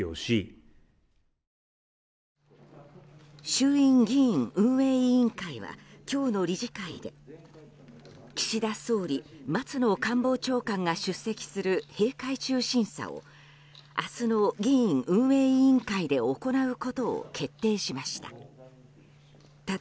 衆院議院運営委員会は今日の理事会で、岸田総理松野官房長官が出席する閉会中審査を明日の議院運営委員会で行うことを決定しました。